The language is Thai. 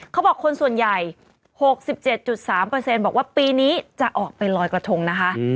เขาบอกคนส่วนใหญ่๖๗๓บอกว่าปีนี้จะออกไปลอยกระทงนะคะ